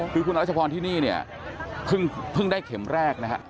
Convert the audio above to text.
คือคุณรัชพรที่นี่เนี่ยเพิ่งได้เข็มแรกนะฮะ